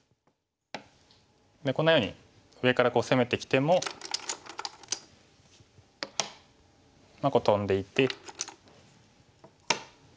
こんなように上から攻めてきてもトンでいって。